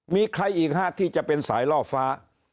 มีใครอีกฮะที่จะเป็นสายล่อฟ้า